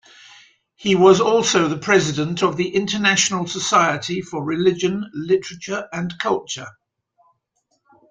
He was also the President of the International Society for Religion, Literature and Culture.